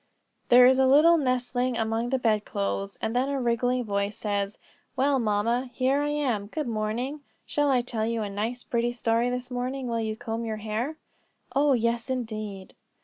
There is a little nestling among the bed clothes, and then a ringing voice says: "Well, mamma, here I am; good morning. Shall I tell you a nice pretty story this morning, while you comb your hair?" "Oh, yes, indeed."